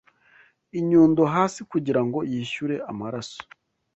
inyundo hasi Kugira ngo yishyure amaraso